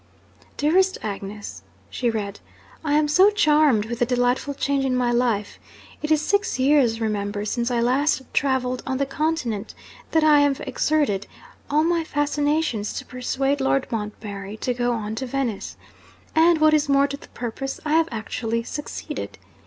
'Dearest Agnes,' (she read), 'I am so charmed with the delightful change in my life it is six years, remember, since I last travelled on the Continent that I have exerted all my fascinations to persuade Lord Montbarry to go on to Venice. And, what is more to the purpose, I have actually succeeded!